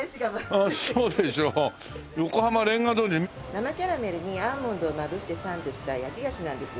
生キャラメルにアーモンドをまぶしてサンドした焼き菓子なんです。